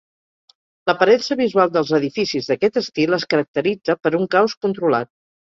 L'aparença visual dels edificis d'aquest estil es caracteritza per un caos controlat.